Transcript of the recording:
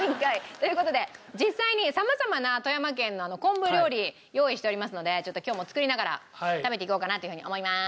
という事で実際に様々な富山県の昆布料理用意しておりますのでちょっと今日も作りながら食べていこうかなというふうに思いまーす。